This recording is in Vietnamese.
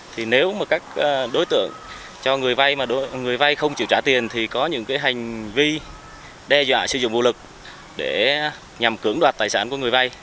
thì nếu mà các đối tượng cho người vay mà người vay không chịu trả tiền thì có những hành vi đe dọa sử dụng vũ lực để nhằm cưỡng đoạt tài sản của người vay